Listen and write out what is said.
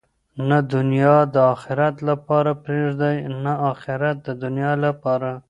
نه دنیا د آخرت لپاره پریږدئ نه آخرت د دنیا لپاره.